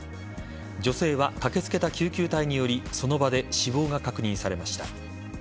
女性は、駆けつけた救急隊によりその場で死亡が確認されました。